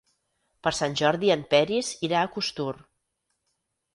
Per Sant Jordi en Peris irà a Costur.